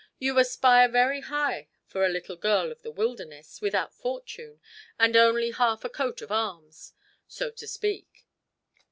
"You aspire very high for a little girl of the wilderness, without fortune, and only half a coat of arms, so to speak.